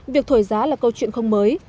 việc thổi giá là câu chuyện không mới